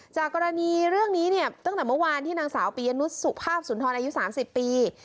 จากกรณีเรื่องนี้เนี่ยตั้งแต่เมื่อวานที่นางสาวปียนุษย์สุภาพสุนทรอายุ๓๐ปี